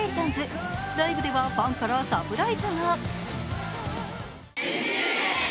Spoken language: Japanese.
ライブではファンからサプライズが。